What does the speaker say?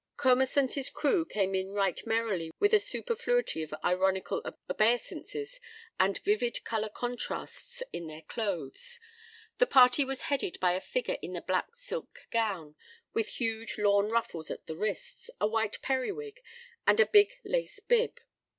Comus and his crew came in right merrily with a superfluity of ironical obeisances and vivid color contrasts in their clothes. The party was headed by a figure in a black silk gown, with huge lawn ruffles at the wrists, a white periwig, and a big lace bib.